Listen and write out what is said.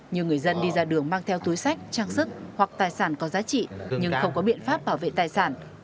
như người dân đi ra đường mang theo túi sách trang sức hoặc tài sản có giá trị nhưng không có biện pháp bảo vệ tài sản